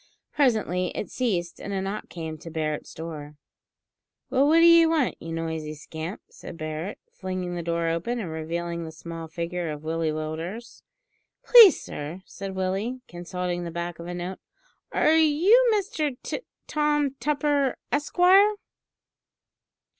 Presently it ceased, and a knock came to Barret's door. "Well, what d'ye want, you noisy scamp?" said Barret, flinging the door open, and revealing the small figure of Willie Willders. "Please, sir," said Willie, consulting the back of a note; "are you Mister T Tom Tupper, Esquire?"